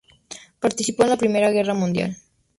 Participó en la Primera Guerra Mundial.